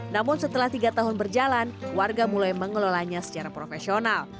namun setelah tiga tahun berjalan warga mulai mengelolanya secara profesional